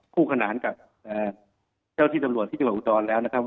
คู่ขนานกับเจ้าที่ตำรวจที่จังหวัดอุดรแล้วนะครับ